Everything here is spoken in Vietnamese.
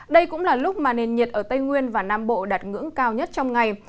đây cũng là lúc mà nền nhiệt ở tây nguyên và nam bộ đạt ngưỡng cao nhất trong ngày